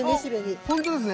あっほんとですね。